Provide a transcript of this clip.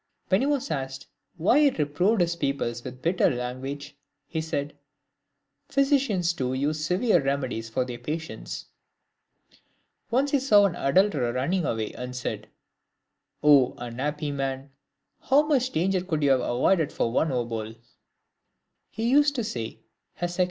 When he was asked why he reproved his pupils with bitter language, he said, " Physicians too use severe remedies for their patients." Once he saw an adulterer run ning away, and said, " 0 unhappy man ! how much danger could you have avoided for one obol!"